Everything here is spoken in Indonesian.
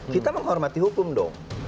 kita menghormati hukum dong